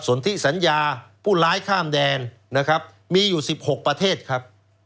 นทิสัญญาผู้ร้ายข้ามแดนนะครับมีอยู่๑๖ประเทศครับ